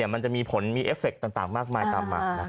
มันจะมีผลมีเอฟเฟคต่างมากมายตามมา